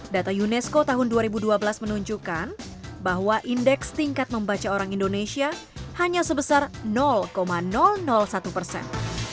data unesco tahun dua ribu dua belas menunjukkan bahwa indeks tingkat membaca orang indonesia hanya sebesar satu persen